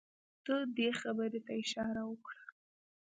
ده دې خبرې ته اشاره وکړه.